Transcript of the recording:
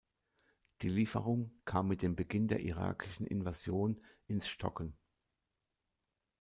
Die Lieferung kam mit dem Beginn der irakischen Invasion ins Stocken.